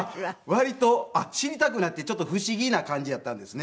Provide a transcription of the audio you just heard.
割と知りたくなってちょっと不思議な感じやったんですね。